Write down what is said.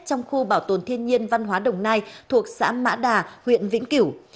trong khu bảo tồn thiên nhiên văn hóa đồng nai thuộc xã mã đà huyện vĩnh kiểu